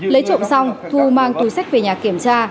lấy trộm xong thu mang túi sách về nhà kiểm tra